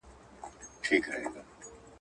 پوهان د وروسته پاته والي بېلابېل علتونه بیانوي.